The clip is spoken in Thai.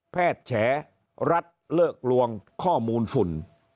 แฉรัฐเลิกลวงข้อมูลฝุ่น